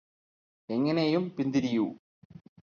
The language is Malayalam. എങ്ങനെയും പിന്തിരിയൂ